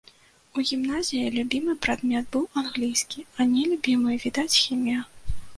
У гімназіі любімы прадмет быў англійскі, а нелюбімы, відаць, хімія.